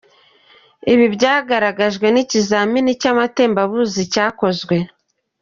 Ibi byagaragajwe ni ikizamini cy’amatembabuzi cyakozwe.